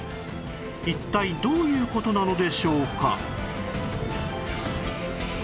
一体どういう事なのでしょうか？